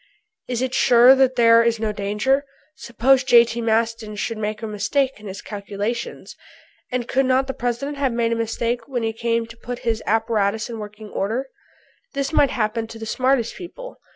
"Is it sure that there is no danger? Suppose J.T. Maston should make a mistake in his calculations? And could not the President have made a mistake when he came to put his apparatus in working order? This might happen to the smartest people.